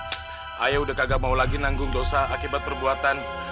saya udah gak mau lagi nanggung dosa akibat perbuatan